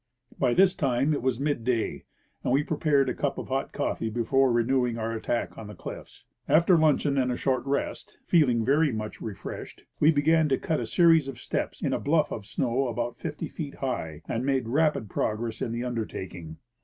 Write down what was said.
By this time it was midday, and we prepared a cup of hot coffee before renew ing our attack on the cliffs. After luncheon and a short rest, feeling very much refreshed, we began to cut a series of steps in a bluff of snow about fifty feet high, and made rapid progress in the undertaking.